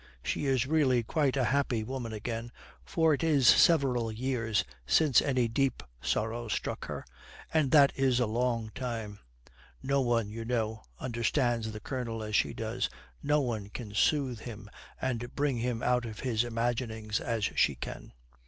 She is really quite a happy woman again, for it is several years since any deep sorrow struck her; and that is a long time. No one, you know, understands the Colonel as she does, no one can soothe him and bring him out of his imaginings as she can.